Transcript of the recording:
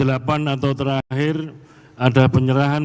atau terakhir ada penyerahan